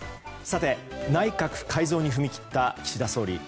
内閣改造に踏み切った岸田総理。